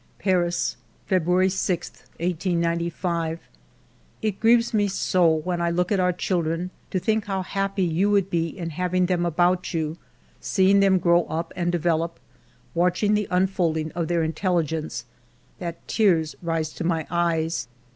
... "Paris, February 6, 1895. "... It grieves me so when I look at our children to think how happy you would be in having them about you, seeing them grow up and develop, watching the unfolding of their intelli gence, that tears rise to my eyes.